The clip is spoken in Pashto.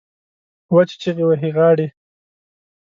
وچې چیغې وهي غاړې